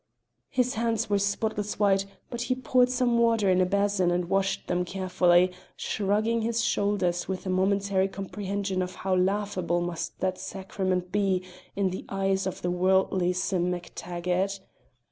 His hands were spotless white, but he poured some water in a basin and washed them carefully, shrugging his shoulders with a momentary comprehension of how laughable must that sacrament be in the eyes of the worldly Sim MacTaggart.